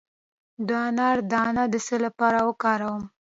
د انار دانه د څه لپاره وکاروم؟